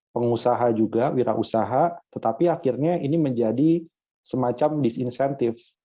pengusaha juga wirausaha tetapi akhirnya ini menjadi semacam disinsentif